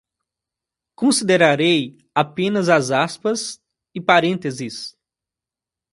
Considerarei apenas as aspas e parênteses